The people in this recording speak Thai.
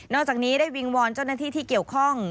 อกจากนี้ได้วิงวอนเจ้าหน้าที่ที่เกี่ยวข้อง